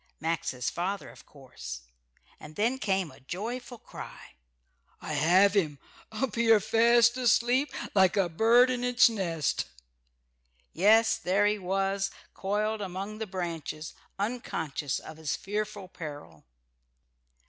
Max's father of course. And then came a joyful cry. "I have him. Up here fast asleep, like a bird in its nest." Yes, there he was, coiled among the branches, unconscious of his fearful peril.